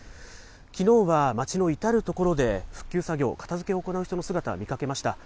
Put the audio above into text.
きのうは町の至る所で復旧作業、片づけを行う人の姿、見かけました。